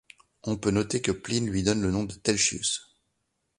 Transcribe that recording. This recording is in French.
On peut noter que Pline lui donne le nom de Telchius.